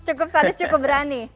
cukup sadis cukup berani